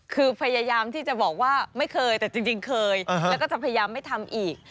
คือพยายามที่จะบอกว่าไม่เคยแต่จริงเคยแล้วก็จะพยายามไม่ทำอีก